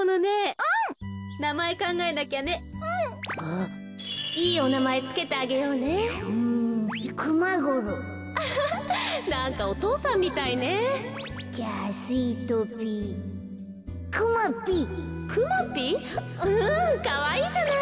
うんかわいいじゃない。